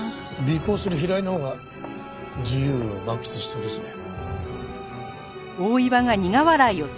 尾行する平井のほうが自由を満喫しそうですね。